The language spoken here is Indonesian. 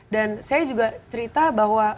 dan saya juga cerita bahwa